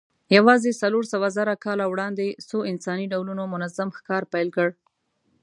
یواځې څلورسوهزره کاله وړاندې څو انساني ډولونو منظم ښکار پیل کړ.